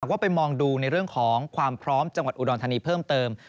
ก็ไปมองดูในเรื่องของความพร้อมจังหวัดอุดรธานีเพิ่มเติม